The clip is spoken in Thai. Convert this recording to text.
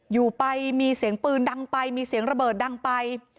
อยู่ไปมีเสียงปืนดังไปมีเสียงระเบิดดังไป